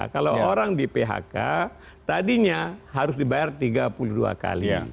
kalau orang di phk tadinya harus dibayar tiga puluh dua kali